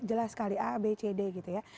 jelas sekali a b c d gitu ya